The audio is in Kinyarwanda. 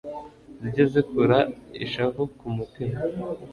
Zijye zikura ishavu ku mutima